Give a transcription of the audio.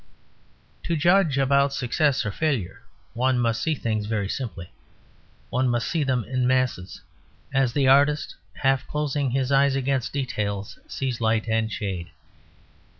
To judge about success or failure one must see things very simply; one must see them in masses, as the artist, half closing his eyes against details, sees light and shade.